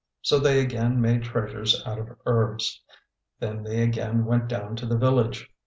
So they again made treasures out of herbs. Then they again went down to that village.